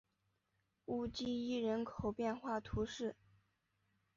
乌济伊人口变化图示